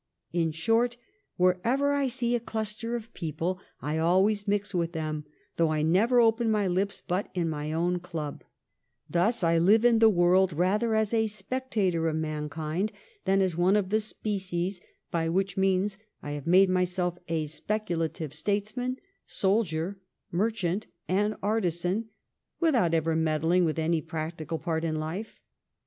In short, wherever I see a cluster of people I always mix with them, though I never open my lips but in my own club/ ' Thus I live in the world rather as a spec tator of mankind, than as one of the species, by which means I have made myself a speculative statesman, soldier, merchant, and artizan, without ever meddUng with any practical part in life.